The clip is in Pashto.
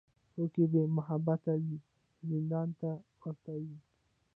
کور که بېمحبته وي، زندان ته ورته وي.